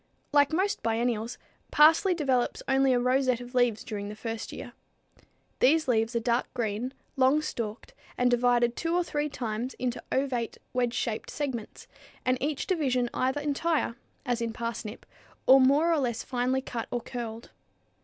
_ Like most biennials, parsley develops only a rosette of leaves during the first year. These leaves are dark green, long stalked and divided two or three times into ovate, wedge shaped segments, and each division either entire, as in parsnip, or more or less finely cut or "curled."